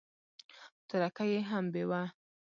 تورکى يې هم بېوه.